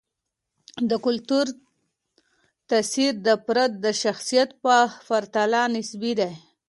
د کلتور تاثیر د فرد د شخصیت په پرتله نسبي دی.